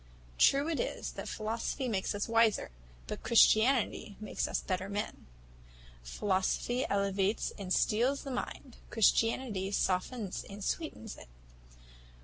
True it is, that philosophy makes us wiser, but Christianity makes us better men. Philosophy elevates and steels the mind, Christianity softens and sweetens it.